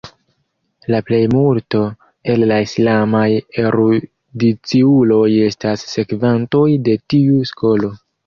La plejmulto el la islamaj erudiciuloj estas sekvantoj de tiu skolo.